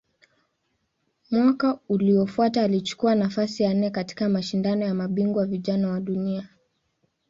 Mwaka uliofuata alichukua nafasi ya nne katika Mashindano ya Mabingwa Vijana wa Dunia.